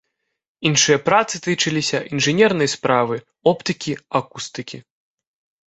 Іншыя працы тычыліся інжынернай справы, оптыкі, акустыкі.